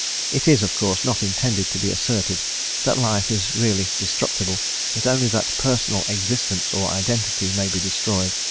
It is, of course, not intended to be asserted that life is really destructible, but only that personal existence, or identity, may be destroyed.